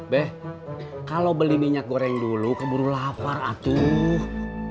beh kalau beli minyak goreng dulu keburu lapar atuh